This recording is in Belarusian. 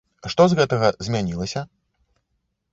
Што з гэтага змянілася?